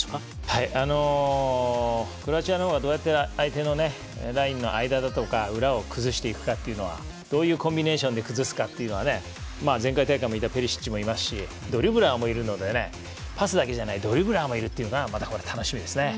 クロアチアのほうはどうやって相手のラインの間だとか裏を崩していくかとどういうコンビネーションで崩すかっていうのは前回大会もいたペリシッチもいますしパスだけじゃなくてドリブラーもいるのでまた楽しみですね。